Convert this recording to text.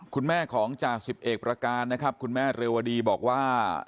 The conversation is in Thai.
คุณแม่ของจ่าสิบเอกประการนะครับคุณแม่เรวดีบอกว่า